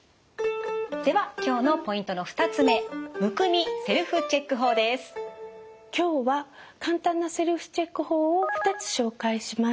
では今日のポイントの２つ目今日は簡単なセルフチェック法を２つ紹介します。